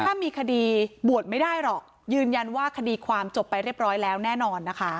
ถ้ามีคดีบวชไม่ได้หรอกยืนยันว่าคดีความจบไปเรียบร้อยแล้วแน่นอนนะคะ